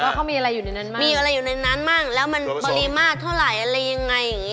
เค้ามีอะไรอยู่ในนั้นบ้างมีอะไรอยู่นั้นบ้างแล้วมันบรีมากเท่าไหร่อะไรยังไง